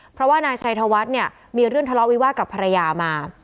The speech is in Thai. เพราะว่านายชัยธวัฒน์เนี่ยมีเรื่องทะเลาะวิวาสกับภรรยามา